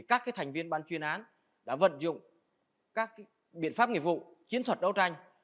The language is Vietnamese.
các thành viên ban chuyên án đã vận dụng các biện pháp nghiệp vụ chiến thuật đấu tranh